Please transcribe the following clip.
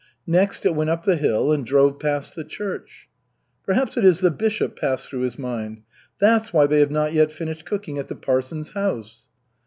Next it went up the hill, and drove past the church. "Perhaps it is the bishop," passed through his mind. "That's why they have not yet finished cooking at the parson's house."